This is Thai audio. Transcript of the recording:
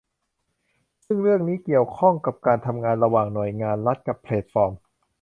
ซึ่งเรื่องนี้เกี่ยวข้องกับการทำงานระหว่างหน่วยงานรัฐกับแพลตฟอร์ม